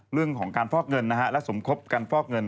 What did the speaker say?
เรื่องของการฟอกเงินนะฮะและสมคบกันฟอกเงิน